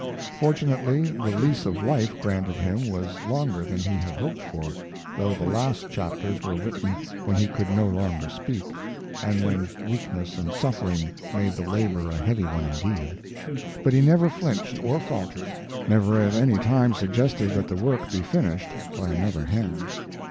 Fortunately the lease of life granted him was longer than he had hoped for, though the last chapters were written when he could no longer speak, and when weakness and suffering made the labor a heavy one indeed; but he never flinched or faltered, never at any time suggested that the work be finished by another hand.